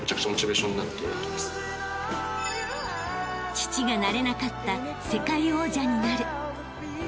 ［父がなれなかった世界王者になる］